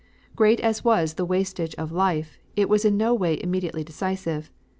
"Great as was the wastage of life, it was in no way immediately decisive.